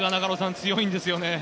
強いんですよね。